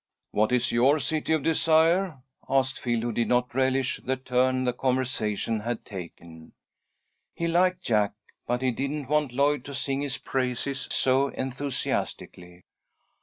"What is your City of Desire?" asked Phil, who did not relish the turn the conversation had taken. He liked Jack, but he didn't want Lloyd to sing his praises so enthusiastically.